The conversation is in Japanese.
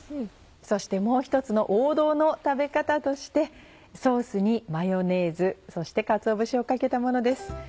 そしてもう１つの王道の食べ方としてソースにマヨネーズそしてかつお節をかけたものです。